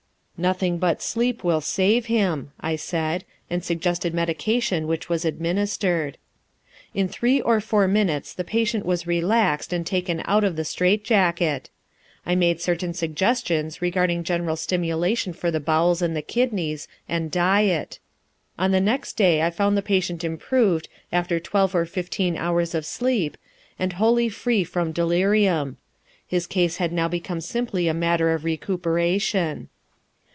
"Nothing but sleep will save him," I said, and suggested medication which was administered. In three or four minutes the patient was relaxed and taken out of the strait jacket. I made certain suggestions regarding general stimulation for the bowels and the kidneys, and diet. On the next day I found the patient improved after twelve or fifteen hours of sleep, and wholly free from delirium. His case had now become simply a matter of recuperation.